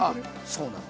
そうなの。